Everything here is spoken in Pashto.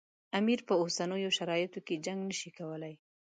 امیر په اوسنیو شرایطو کې جنګ نه شي کولای.